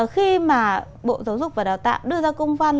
khi mà bộ giáo dục và đào tạo đưa ra công văn